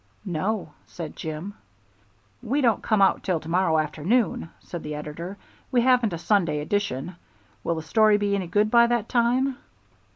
"No," said Jim. "We don't come out till to morrow afternoon," said the editor. "We haven't a Sunday edition. Will the story be any good by that time?"